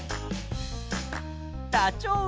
ダチョウ。